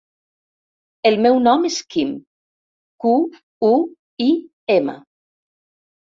El meu nom és Quim: cu, u, i, ema.